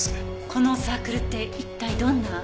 このサークルって一体どんな？